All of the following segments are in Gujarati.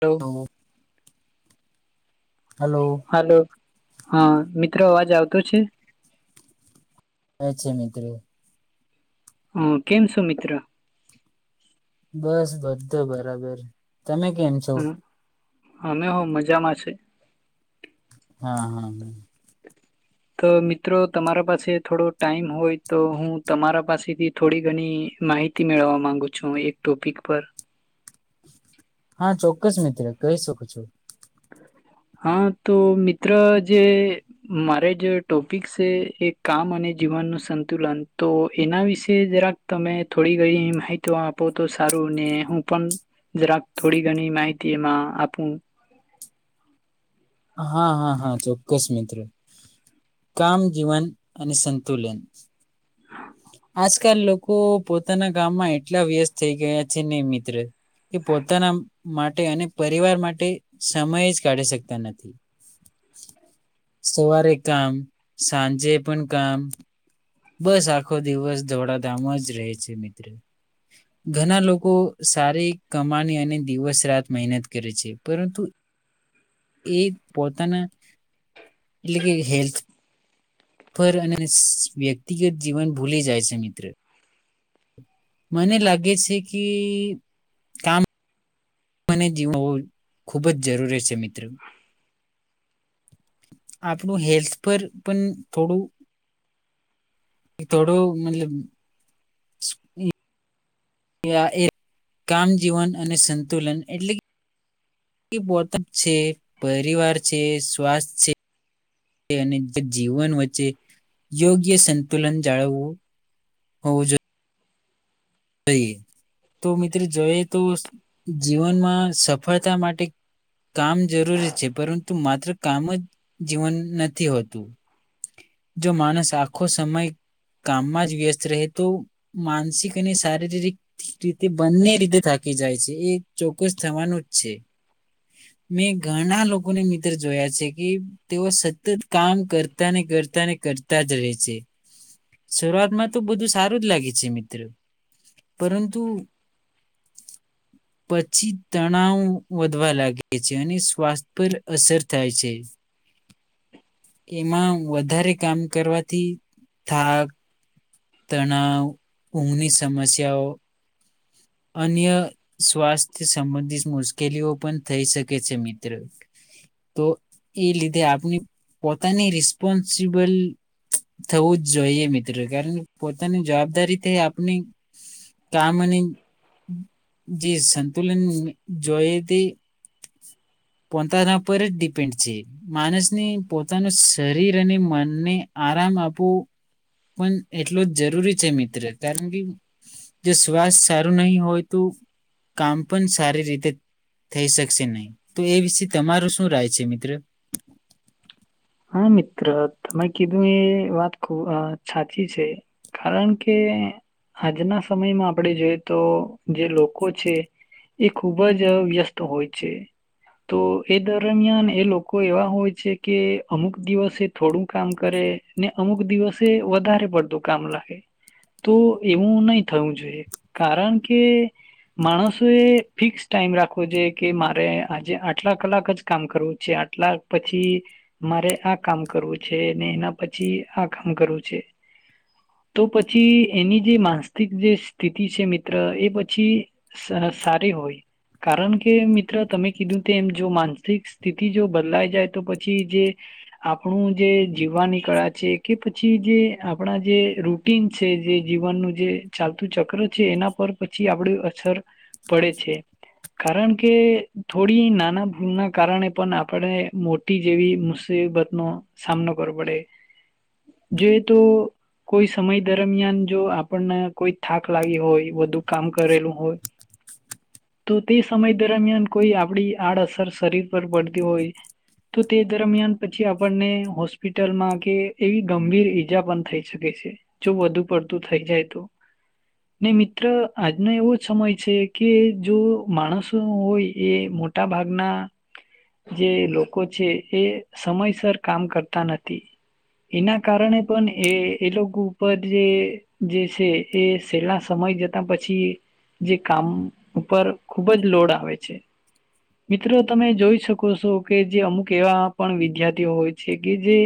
હલો હ. હલો. હાલો હા મિત્ર અવાજ આવતો છે? હ છે મિત્ર. હ કેમ સોં મિત્ર? બસ બધું બરાબર. તમે કેમ છો? અમે હ મજામાં છે. હા-હા-હા. તો મિત્રો તમારા પાસે થોડો ટાઈમ હોય તો હું તમારા પાસેથી થોડી ઘણી માહિતી મેળવવા માંગુ છું, એક ટોપિક પર. હા ચોક્કસ મિત્ર કહી શકું છો. હા તો મિત્ર જે મારે જે ટોપિક શે એ કામ અને જીવનનું સંતુલન, તો એના વિશે જરાક તમે થોડી ઘણી માહિતી આપો તો સારું ને હું પણ જરાક થોડી ઘણી માહિતી એમાં આપું. હા-હા-હા. ચોક્કસ મિત્ર, કામ જીવન અને સંતુલન આજકાલ લોકો પોતાના કામમાં એટલા વ્યસ્ત થઈ ગયા છે ને મિત્ર કે પોતાના માટે અને પરિવાર માટે સમય જ કાઢી શકતા નથી. સવારે કામ, સાંજે પણ કામ બસ આખો દિવસ દોડાધામ જ રહે છે મિત્ર, ઘણા લોકો સારી કમાની અને દિવસ રાત મહેનત કરે છે, પરંતુ એ પોતાના, એટલે કે હેલ્થ પર અને સ વ્યક્તિગત જીવન ભૂલી જાય છે મિત્ર, મને લાગે છે કે કામ મેનેજ હોવો ખૂબ જ જરૂરી છે મિત્રો, આપણું હેલ્થ પર પણ થોડું થોડું મતલબ એ કામ જીવન અને સંતુલન એટલે એ પોતે છે, પરિવાર છે, સ્વાસ્થ છે અને જીવન વચ્ચે યોગ્ય સંતુલન જાળવવું હોવું જોઈએ. જોઈએ, તો મિત્રો જોઈએ તો જીવનમાં સફળતા માટે કામ જરૂરી છે પરંતુ માત્ર કામ જ જીવન નથી હોતું, જો માણસ આખો સમય કામમાં જ વ્યસ્ત રહે તો માનસિક શારીરિક રીતે બંને રીતે થાકી જાય છે, એ ચોક્કસ થવાનું જ છે મેં ઘણા લોકોને મિત્ર જોયા છે કે તેઓ સતત કામ કરતા ને કરતા ને કરતા જ રહે છે, શરૂઆતમાં તો બધું સારું જ લાગે છે મિત્ર પરંતુ પછી તણાવ વધવા લાગે છે અને સ્વાસ્થ્ય પર અસર થાય છે, એમાં વધારે કામ કરવાથી થાક તણાવ ઊંઘની [unintelligible] સમસ્યાઓ અન્ય સ્વાસ્થ્ય સંબંધિત મુશ્કેલીઓ પણ થઈ શકે છે મિત્ર તો એ લીધે આપણે પોતાની રિસ્પોન્સિબલ થવું જ જોઈએ મિત્રો કારણ પોતાની જવાબદારી તે આપણી કામ અને જે સંતુલન જોઈએ તે પોતાના પર જ ડિપેન્ડ છે માણસને પોતાનું શરીર અને મનને આરામ આપવો પણ એટલો જ જરૂરી છે મિત્ર કારણ કે જો શ્વાસ સારું ન હોય તો કામ પણ સારી રીતે થઈ શકશે નહી તો એ વિશે તમારું શું રાય છે મિત્ર. હા મિત્ર તમે કીધું એ વાત ખ સાચી છે, કારણ કે આજના સમયમાં આપણે જોઈએ તો જે લોકો છે એ ખુબ જ વ્યસ્ત હોય છે તો એ દરમિયાન એ લોકો એવા હોય છે કે અમુક દિવસે થોડું કામ કરે ને અમુક દિવસે વધારે પડતું કામ લાગે તો એવું નહી થવું જોઈએ કારણ કે માણસો એ ફિક્સ ટાઈમ રાખવો જોઈ કે મારે આજે આટલા કલાક જ કામ કરવું છે આટલા પછી મારે આ કામ કરવું છે ને એના પછી આ કામ કરવું છે તો પછી એની જે માનસિક જે સ્થિતિ છે મિત્ર એ પછી સા સારી હોય કારણ કે મિત્ર તમે કીધું તે એમ જો માનસિક સ્થિતિ જો બદલાઈ જાય તો પછી જે આપણું જે જીવવાની કળા છે કે પછી જે આપણા જે રૂટીન છે જે જીવનનું જે ચાલતું ચક્ર છે એના પર પછી આપડ અસર પડે છે કારણ કે થોડી નાના ભૂલ ના કારણે પણ આપણે મોટી જેવી મુશ એ બતનો સામનો કરવો પડે. જોઈએ તો કોઈ સમય દરમિયાન જો આપણને કોઈ થાક લાગી હોય વધુ કામ કરેલું હોય તો તે સમય દરમિયાન કોઈ આપડી આડઅસર શરીર પર પડતી હોય તો તે દરમિયાન પછી આપણને હોસ્પિટલમાં કે એવી ગંભીર ઈજા પણ થઈ શકે છે જો વધુ પડતું થઈ જાય તો, ને મિત્ર આજનો એવો સમય છે કે જો માણસો હોય એ મોટા ભાગના જે લોકો છે એ સમયસર કામ કરતા નથી એના કારણે પણ એ એ લોકો ઉપર જે છે એ છે એ છેલ્લા સમય જતા પછી જે કામ ઉપર ખૂબ જ લોડ આવે છે મિત્રો તમે જોઈ શકો છો કે જે અમુક એવા પણ વિદ્યાર્થીઓ હોય છે કે જે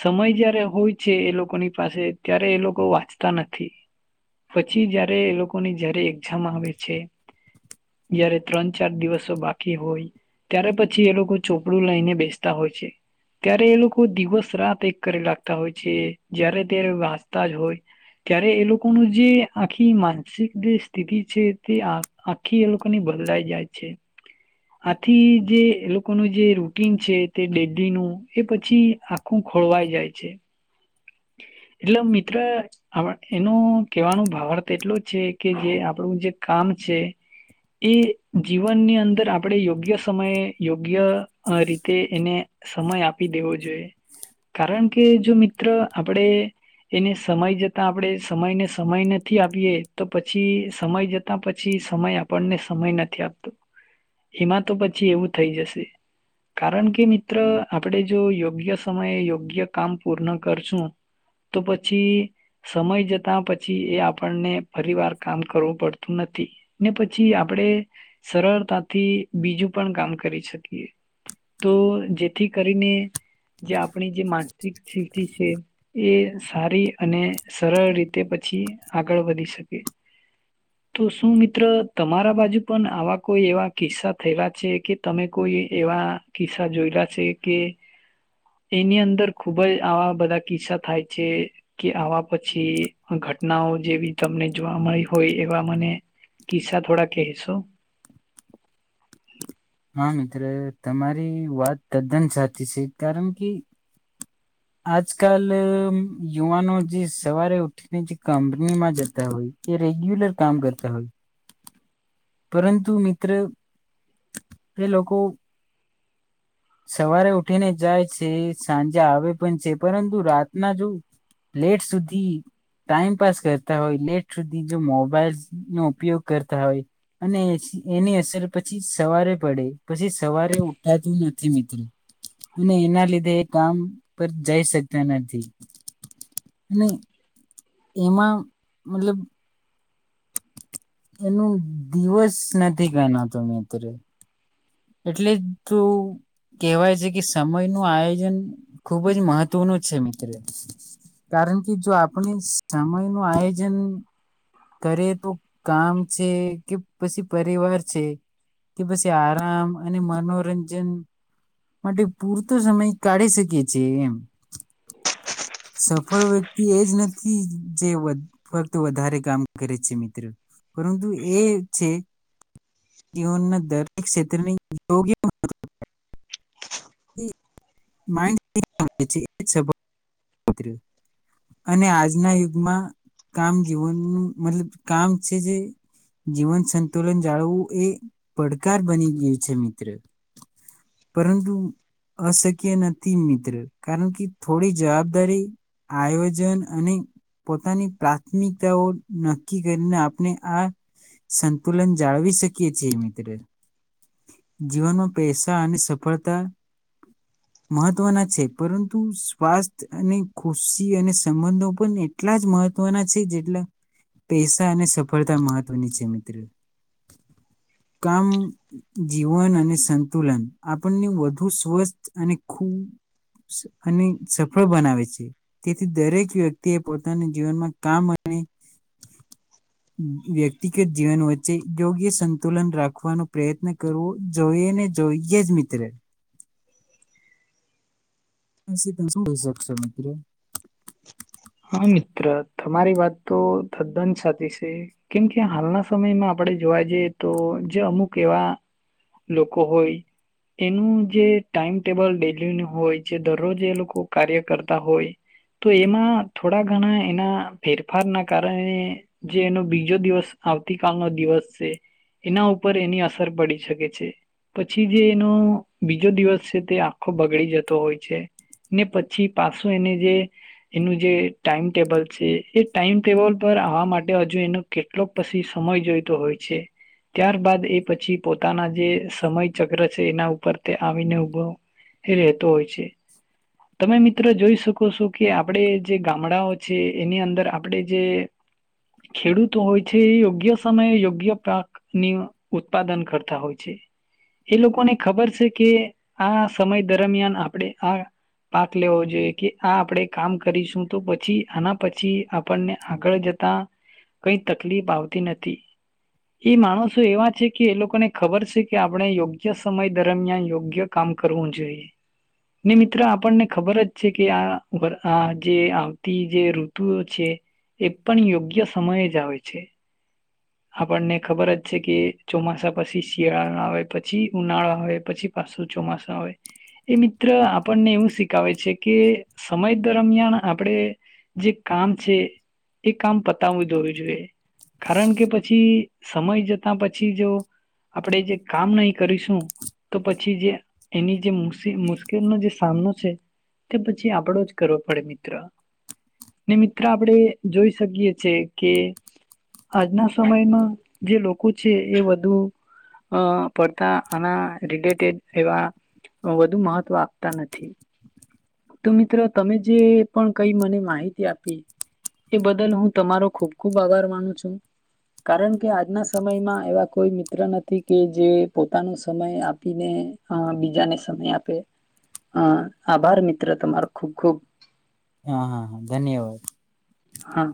સમય જયારે હોય છે એ લોકોની પાસે ત્યારે એ લોકો વાંચતા નથી પછી જયારે એ લોકોની જયારે એક્ઝામ આવે છે જ્યારે ત્રણ ચાર દિવસો બાકી હોય ત્યારે પછી એ લોકો ચોપડું લઈને બેસ [unintelligible] હોય છે ત્યારે એ લોકો દિવસ રાત એક કરી લાકતા હોય છે જ્યારે ત્યારે વાચતા જ હોય ત્યારે એ લોકોનું જે આખી માનસિક જે સ્થિતિ છે તે આખી એ લોકોની બદલાઈ જાય છે આથી જે એ લોકોનું જે રૂટિન છે તે ડેડીનું એ પછી આખું ખોળવાઈ જાય છે. એટલે મિત્ર અહ એનો કહેવાનો ભાવર્થ એટલો છે કે જે આપણું જે કામ છે એ જીવનની અંદર આપણે યોગ્ય સમયે યોગ્ય રીતે એને સમય આપી દેવો જોઈએ કારણ કે જો મિત્ર આપણે એને સમય જતા આપણે સમયને સમય નથી આપીએ તો પછી સમય જતા પછી સમય આપણને સમય નથી આપતો એમાં તો પછી એવું થઈ જશે કારણ કે કે મિત્ર આપણે જો યોગ્ય સમયે યોગ્ય કામ પૂર્ણ કરશું તો પછી સમય જતા પછી એ આપણને ફરી વાર કામ કરવું પડતું નથી ને પછી આપણે સરળતાથી બીજું પણ કામ કરી શકીએ. તો જેથી કરીને જે આપણી જે માનસિક સ્થિતિ છે એ સારી અને સરળ રીતે પછી આગળ વધી શકે, તો શું મિત્ર તમારા બાજુ પણ આવા કોઈ એવા કિસ્સા થયેલા છે કે તમે કોઈ એવા કિસ્સા જોયેલા છે કે એની અંદર ખુબ જ આવા બધા કિસ્સા થાય છે કે આવા પછી ઘટનાઓ જેવી તમને જોવા મળી હોય એવા મને કિસ્સા થોડા કહેશો? હા મિત્ર તમારી વાત તદ્દન સાચી છે કારણ કે આજકાલ યુવાનો જે સવારે ઉઠીને જે કંપનીમાં જતા હોય એ રેગ્યુલર કામ કરતા હોય પરંતુ મિત્ર એ લોકો સવારે ઉઠીને જાય છે સાંજે આવે પણ છે પરંતુ રાતના જો લેટ સુધી ટાઈમપાસ કરતા હોય, લેટ સુધી જો મોબાઈલ નો ઉપયોગ કરતા હોય અને એની અસર પછી સવારે પડે પછી સવારે ઉઠાતું ન થી મિત્ર અને એના લીધે એ કામ પર જઈ શકતા નથી અને એમાં મતલબ એનું દિવસ નથી ગનાતો મિત્ર. એટલે તો કેહેવાય છે કે સમય નું આયોજન ખુબ જ મહત્વનું છે મિત્ર કારણ કે જો આપણે સમય નું આયોજન કરીએ તો કામ છે કે પછી પરિવાર છે કે પછી આ આ અને મનોરંજન માટે પૂરતો સમય કાઢી શકીએ છીએ એમ સફળ વ્યક્તિ એ જ નથી જે વધ ફક્ત વધારે કામ કરે છે મિત્ર, પરંતુ એ છે જીવનના દર [unintelligible] અને આજના યુગમાં કામ જીવનનું મતલબ કામ છે જે જીવન સંતુલન જાળવું એ પડ [unintelligible] બની ગયુ છે મિત્ર, પરંતુ અશક્ય નથી મિત્ર કારણ કે થોડી જવાબદારી આયોજન અને પોતાની પ્રાથમિકતાઓ નક્કી કરીને આપણે આ સંતુલન જાળવી શકીએ છીએ મિત્ર. જીવનમાં પૈસા અને સફળતા મહત્વના છે પરંતુ સ્વાસ્થ્ય અને ખુશી અને સંબંધો પણ એટલા જ મહત્વના છે જેટલા પૈસા અને સફળતા મહત્વની છે મિત્ર. કામ જીવન અને સંતુલન આપણને વધુ સ્વસ્થ અને ખૂબ અને સફળ બનાવે છે તેથી દરેક વ્યક્તિ એ પોતાના જીવનમાં કામ અને વ્યક્તિગત જીવન વચ્ચે યોગ્ય સંતુલન રાખવાનો પ્રયત્ન કરવું જોઈએ ને જોઈએ જ મિત્ર. [unintelligible] મિત્ર. હા મિત્ર તમારી વાત તો તદ્દન સાચી છે કેમકે હાલના સમયમાં આપડે જોવા જઈએ તો જે અમુક એવા લોકો હોય એનું જે ટાઈમટેબલ ડેલીનું હોય જે દરરોજ એ લોકો કાર્ય કરતા હોય તો એમાં થોડા ઘણા એના ફેરફારના કારણે જે એનો બીજો દિવસ આવતી કલનો દિવસ છે એના ઉપર એની અસર પડી શકે છે પછી જે એનો બીજો દિવસ છે તે આખો બગડી જતો હોય છે ને પછી પાછો એને જે એનું જે ટાઈમ ટેબલ છે એ ટાઈમ ટેબલ પર આવવા માટે હજુ એનો કેટલોક પછી સમય જોઈતો હોય છે ત્યાર બાદ એ પછી પોતાના જે સમય ચક્ર છે એના ઉપર તે આવીને ઉભો એ રહેતો હોય છે. તમે મિત્ર જોઈ શકો છો કે આપડે જે ગામડાઓ છે એની અંદર આપડે જે ખેડૂતો હોય છે એ યોગ્ય સમયે યોગ્ય પાકની ઉત્પાદન કરતા હોય છે, એ લોકોને ખબર છે કે આ સમય દરમિયાન આપડે આ પાક લેવો જોઈએ કે આ આપણે કામ કરીશું તો પછી આના પછી આપણને આગળ જતા કઈ તકલીફ આવતી નથી, એ માણસો એવા છે કે એ લોકોને ખબર છે કે આપણે યોગ્ય સમય દરમિયાન યોગ્ય કામ કરવું જોઈએ, ને મિત્ર આપણને ખબર જ છે કે આ આ જે આવતી જે ઋતુઓ છે એ પણ યોગ્ય સમયે જ આવે છે. આપણને ખબર જ છે કે ચોમાસા પછી શિયાળ આવે પછી ઉનાળા આવે પછી પાછું ચોમાસા આવે એ મિત્ર આપણને એવું શીખાવે છે કે સમય દરમિયાન આપડે જે કામ છે એ કામ પતાવવું દોઈઅ જોઈએ કારણ કે પછી પછી સમય જતા પછી જો આપણેે જે કામ નહી કરીશું તો પછી જે એની જે મુ મુશ્કેલનો જે સામનો છે તે પછી આપડો જ કરવો પડે મિત્ર, ને મિત્ર આપડે જોઈ શકીએ છે કે આજના [unintelligible] સમય માં જે લોકો છે એ વધુ અ પડતા આના રિલેટેડ એવા વધુ મહત્વ આપતા નથી. તો મિત્રો તમે જે પણ કઈ મને માહિતી આપી એ બદલ હું તમારો ખુબ ખુબ આભાર માનું છું. કારણ કે આજના સમયમાં એવા કોઈ મિત્ર નથી કે જે પોતાનો સમય આપીને બીજાને સમય આપે અ આભાર મિત્ર તમારો ખૂબ-ખુબ. હા હા ધન્યવાદ. હા.